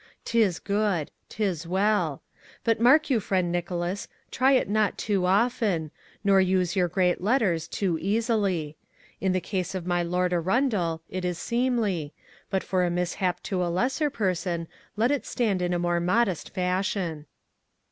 'Tis good. 'Tis well. But mark you, friend Nicholas, try it not too often, nor use your great letters too easily. In the case of my Lord Arundel, it is seemly, but for a mishap to a lesser person, let it stand in a more modest fashion."